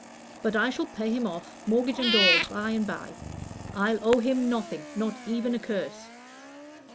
But I shall pay him off mortgages and all by and by. I'll owe him nothing not even a curse!"